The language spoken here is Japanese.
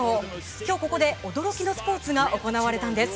今日ここで驚きのスポーツが行われたんです。